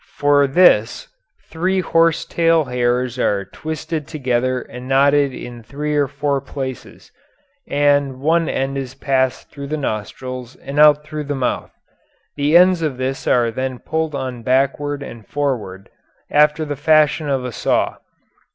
For this three horse tail hairs are twisted together and knotted in three or four places, and one end is passed through the nostrils and out through the mouth. The ends of this are then pulled on backward and forward after the fashion of a saw.